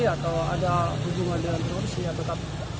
atau ada hubungan dengan perusahaan tetap